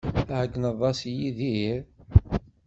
Tɛeyyneḍ-as i Yidir?